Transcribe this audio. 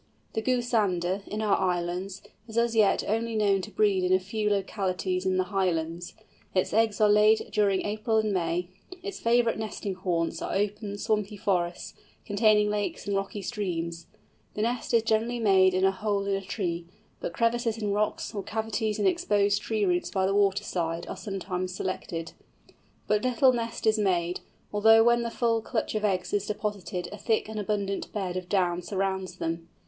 The Goosander, in our islands, is as yet only known to breed in a few localities in the Highlands. Its eggs are laid during April and May. Its favourite nesting haunts are open, swampy forests, containing lakes and rocky streams. The nest is generally made in a hole in a tree, but crevices in rocks, or cavities in exposed tree roots by the water side, are sometimes selected. But little nest is made, although when the full clutch of eggs is deposited a thick and abundant bed of down surrounds them.